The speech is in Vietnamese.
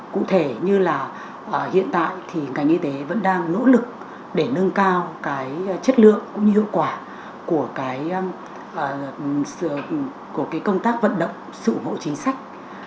cụ thể như là hiện tại thì ngành y tế vẫn đang nỗ lực để nâng cao cái chất lượng cũng như hiệu quả của cái công tác vận động sự ủng hộ chính sách